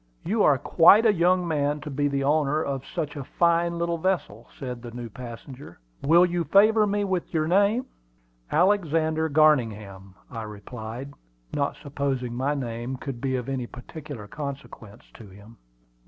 You are quite a young man to be the owner of such a fine little vessel," said the new passenger. "Will you favor me with your name?" "Alexander Garningham," I replied, not supposing my name could be of any particular consequence to him.